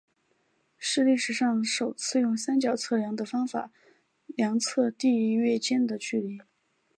是历史上首次用三角测量的方法量测地月间的距离。